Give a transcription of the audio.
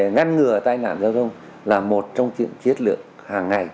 ngăn ngừa tai nạn giao thông là một trong những chiếc lưỡng hàng ngày